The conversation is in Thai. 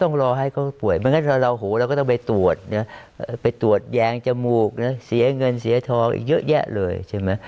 ต้องรอให้เขาป่วยไม่งั้นถ้าเราโหเราก็ต้องไปตรวจไปตรวจแยงจมูกนะเสียเงินเสียทองอีกเยอะแยะเลยใช่ไหม